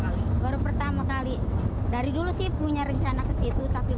nyawa angkot belum lagi memindahkan dian dari rumah ke kendaraan salah menyentuh saja bisa